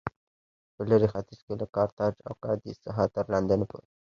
په لېرې ختیځ کې له کارتاج او کادېس څخه تر لندنه پورې و